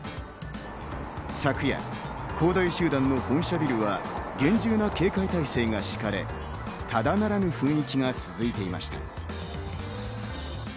昨夜、恒大集団の本社ビルは厳重な警戒態勢が敷かれ、ただならぬ雰囲気が続いていました。